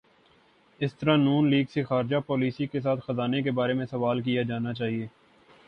اسی طرح ن لیگ سے خارجہ پالیسی کے ساتھ خزانے کے بارے میں سوال کیا جانا چاہیے۔